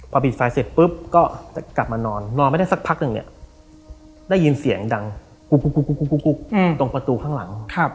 พอปิดไฟเสร็จปุ๊บก็จะกลับมานอนนอนไม่ได้สักพักหนึ่งเนี่ยได้ยินเสียงดังกุ๊กตรงประตูข้างหลัง